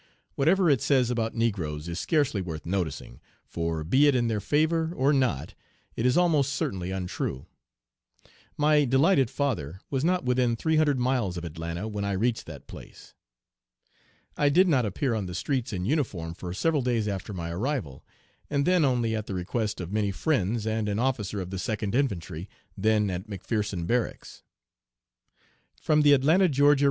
Whatever it says about negroes is scarcely worth noticing, for be it in their favor or not it is almost certainly untrue. My "delighted father" was not within three hundred miles of Atlanta when I reached that place. I did not appear on the streets in uniform for several days after my arrival, and then only at the request of many friends and an officer of the Second Infantry then at McPherson Barracks. (From the Atlanta (Ga.)